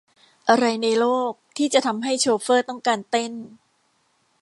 อะไรในโลกที่จะทำให้โชเฟอร์ต้องการเต้น ?